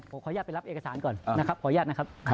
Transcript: ผมขออนุญาตไปรับเอกสารก่อนนะครับขออนุญาตนะครับ